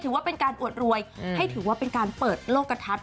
ถือว่าเป็นการอวดรวยให้ถือว่าเป็นการเปิดโลกกระทัด